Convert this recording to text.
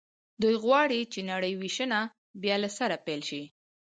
دوی غواړي چې نړۍ وېشنه بیا له سره پیل شي